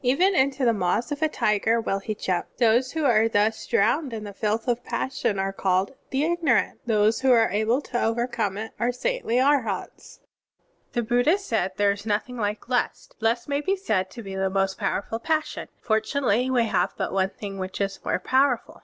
Even into the maws of a tiger will he jump. Those who are thus drowned in the filth of passion are called the ignorant. Those who are able to overcome it are saintly Arhats." (24) The Buddha said: "There is nothing like lust. Lust may be said to be the most powerful passion. Fortimately, we have but one thing which is more powerful.